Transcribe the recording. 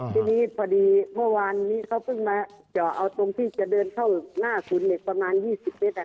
ทีนี้พอดีเมื่อวานนี้เขาเพิ่งมาเจาะเอาตรงที่จะเดินเข้าหน้าศูนย์เด็กประมาณ๒๐เมตร